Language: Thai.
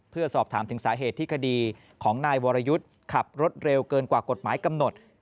เพื่อสอบถามถึงสาเหตุที่คดีของนายวรยุทธ์ขับรถเร็วเกินกว่ากฎหมายกำหนด